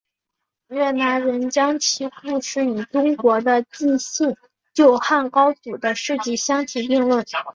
越南人将其故事与中国的纪信救汉高祖的事迹相提并论。